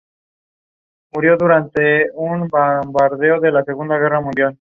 Es cabeza del municipio rural Alekseye-Tenguinskoye.